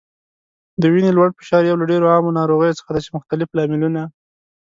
د وینې لوړ فشار یو له ډیرو عامو ناروغیو څخه دی چې مختلف لاملونه